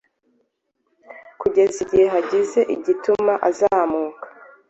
kuzageza igihe hagize igituma azamuka.